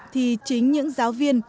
thì chính những giáo viên